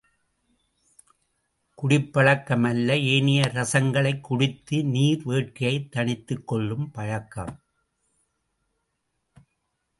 குடிப்பழக்கம் அல்ல ஏனைய ரசங்களைக் குடித்து நீர் வேட்கையைத் தணித்துக் கொள்ளும் பழக்கம்.